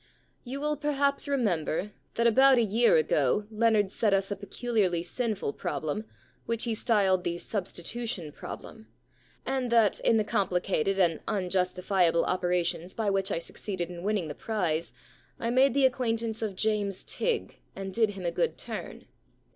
* You will perhaps remember that about a year ago Leonard set us a peculiarly sinful problem, which he styled the Substitution Problem, and that in the compHcated and unjustifiable operations by which I succeeded in winning the prize I made the acquaintance of James Tigg, and did him a good turn.